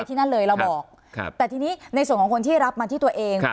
ที่นั่นเลยเราบอกแต่ทีนี้ในส่วนของคนที่รับมาที่ตัวเอง